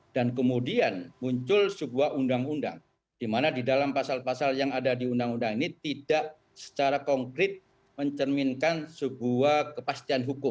dan kemudian muncul sebuah undang undang di mana di dalam pasal pasal yang ada di undang undang ini tidak secara konkret mencerminkan sebuah kepastian hukum